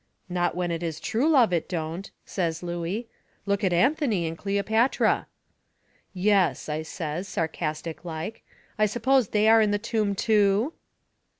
"Not when it is true love it don't," says Looey. "Look at Anthony and Cleopatra." "Yes," I says, sarcastic like, "I suppose they are in the tomb, too?"